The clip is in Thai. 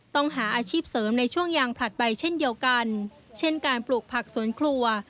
ต้องหาอาชีพเสริมในช่วงยางผลัดไปเช่นเดียวกันเช่นการปลูกผักสวนครัว